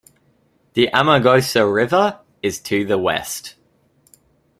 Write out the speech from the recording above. The Amargosa River is to the west.